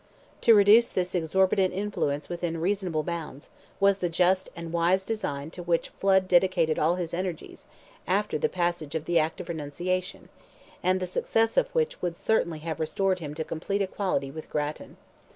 To reduce this exorbitant influence within reasonable bounds, was the just and wise design to which Flood dedicated all his energies, after the passage of the Act of Renunciation, and the success of which would certainly have restored him to complete equality with Grattan.